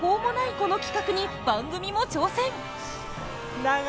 この企画に番組も挑戦。